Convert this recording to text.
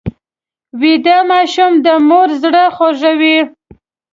ویده ماشوم د مور زړه خوږوي